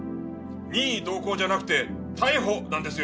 任意同行じゃなくて逮捕なんですよ！